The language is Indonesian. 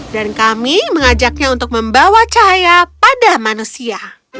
dan kami mengajaknya untuk membawa cahaya pada manusia